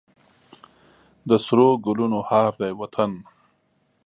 د سرو ګلونو هار دی وطن.